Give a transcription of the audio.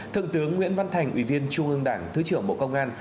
thượng tướng nguyễn văn thành ủy viên trung ương đảng thứ trưởng bộ công an